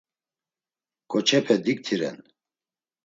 Ǩoçepe diktiren.